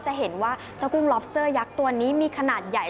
จะเห็นว่าเจ้ากุ้งลอบสเตอร์ยักษ์ตัวนี้มีขนาดใหญ่